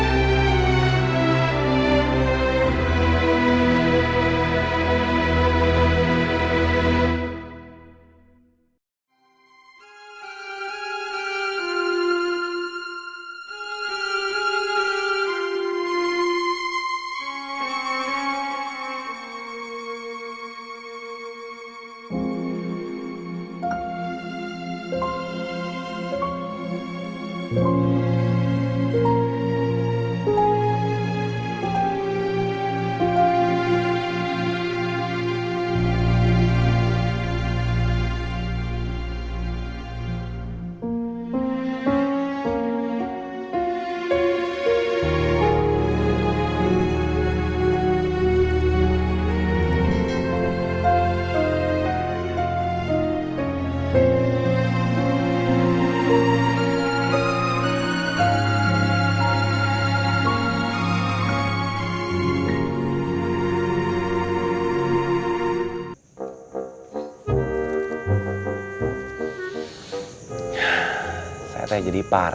siapa di dalam bildu lo insert jumpa